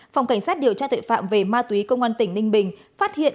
phòng cảnh sát điều tra tội phạm về ma túy công an tỉnh ninh bình phát hiện